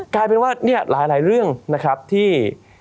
กลายเป็นว่าเนี่ยหลายเรื่องนะครับที่